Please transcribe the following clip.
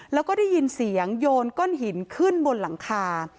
แล้วก็ได้ยินเสียงโยนก้อนหินขึ้นบนหลังคา